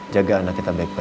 jaga anak kita baik baik